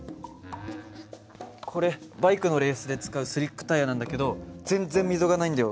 これバイクのレースで使うスリックタイヤなんだけど全然溝がないんだよ。